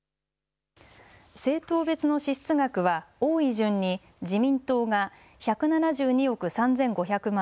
政党別の支出額は多い順に自民党が１７２億３５００万